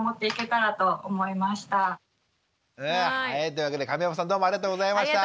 というわけで神山さんどうもありがとうございました。